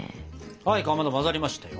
はいかまど混ざりましたよ。